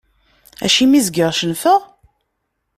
Acimi zgiɣ cennfeɣ?